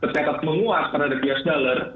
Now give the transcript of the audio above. tekad menguat terhadap us dollar